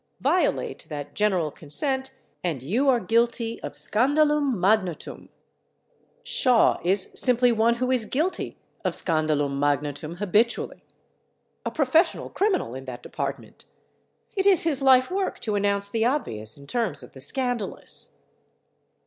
Violate that general consent and you are guilty of scandalum magnatum. Shaw is simply one who is guilty of scandalum magnatum habitually, a professional criminal in that department. It is his life work to announce the obvious in terms of the scandalous.